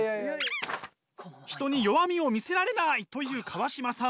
人に弱みを見せられない！という川島さん。